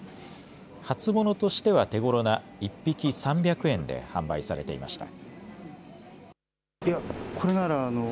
初物としては手ごろな１匹３００円で販売されていました。